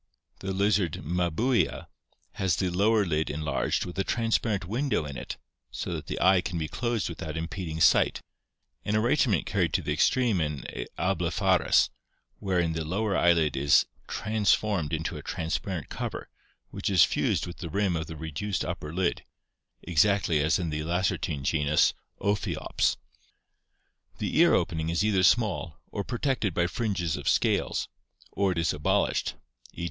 The lizard Mabuia has the lower lid en larged, with a transparent window in it, so that the eye can be closed without impeding sight, an arrangement carried to the extreme in Ablepharus [wherein the lower eyelid is transformed into a transparent cover, which is fused with the rim of the reduced upper lid, exactly as in the Lacertine genus Ophiops], The ear 402 ORGANIC EVOLUTION opening is either small, or protected by fringes of scales, or it is abolished, e.